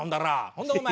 ほんでお前